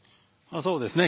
そうですね。